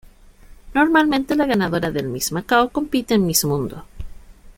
Normalmente la ganadora del Miss Macao compite en Miss Mundo.